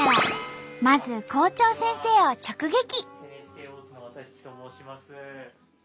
まず校長先生を直撃。